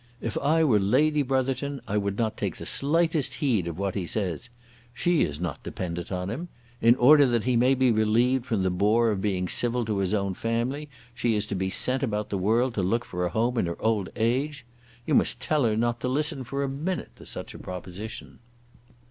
If I were Lady Brotherton I would not take the slightest heed of what he says. She is not dependent on him. In order that he may be relieved from the bore of being civil to his own family she is to be sent out about the world to look for a home in her old age! You must tell her not to listen for a minute to such a proposition."